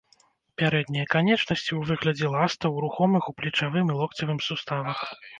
Пярэднія канечнасці ў выглядзе ластаў, рухомых у плечавым і локцевым суставах.